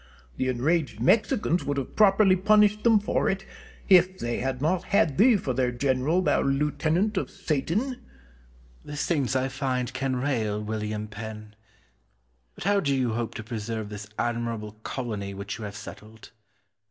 The enraged Mexicans would have properly punished them for it, if they had not had thee for their general, thou lieutenant of Satan. Cortez. The saints I find can rail, William Penn. But how do you hope to preserve this admirable colony which you have settled?